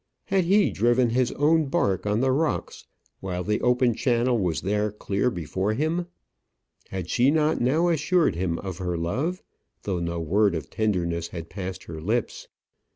Had he driven his own bark on the rocks while the open channel was there clear before him? Had she not now assured him of her love, though no word of tenderness had passed her lips?